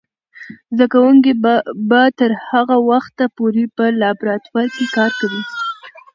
زده کوونکې به تر هغه وخته پورې په لابراتوار کې کار کوي.